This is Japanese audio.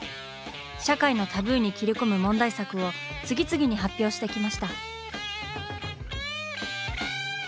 社会のタブーに切り込む問題作を次々に発表してきました。